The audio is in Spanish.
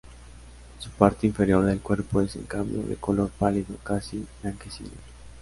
Su parte inferior del cuerpo es en cambio de color pálido casi blanquecino.